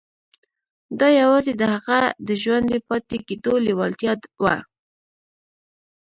دا يوازې د هغه د ژوندي پاتې کېدو لېوالتیا وه.